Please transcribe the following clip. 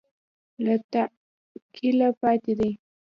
له تعقله پاتې دي